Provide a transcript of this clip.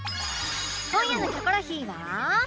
今夜の『キョコロヒー』は